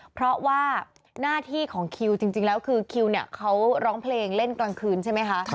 เพราะว่าหน้าที่ของคิวจริงแล้วคือคิวเนี่ยเขาร้องเพลงเล่นกลางคืนใช่ไหมคะ